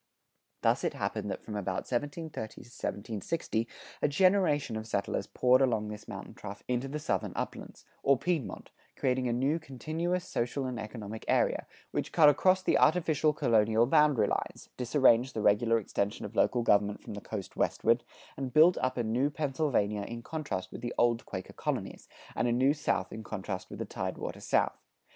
[99:1] Thus it happened that from about 1730 to 1760 a generation of settlers poured along this mountain trough into the southern uplands, or Piedmont, creating a new continuous social and economic area, which cut across the artificial colonial boundary lines, disarranged the regular extension of local government from the coast westward, and built up a new Pennsylvania in contrast with the old Quaker colonies, and a new South in contrast with the tidewater South.